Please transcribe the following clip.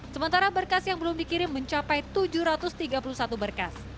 sementara berkas yang belum dikirim mencapai tujuh ratus tiga puluh satu berkas